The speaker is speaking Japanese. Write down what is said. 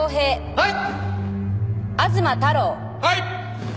はい。